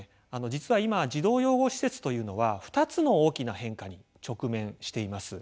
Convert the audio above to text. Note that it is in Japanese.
実は今児童養護施設というのは２つの大きな変化に直面しています。